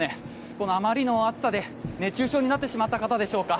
このあまりの暑さで熱中症になってしまった方でしょうか。